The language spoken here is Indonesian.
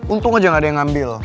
untung aja gak ada yang ngambil